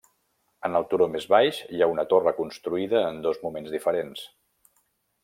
En el turó més baix hi ha una torre construïda en dos moments diferents.